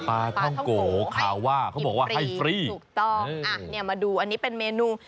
ปลาท่องโกคาว่าเขาบอกว่าให้ฟรีถูกต้องอ่ะเนี่ยมาดูอันนี้เป็นเมนู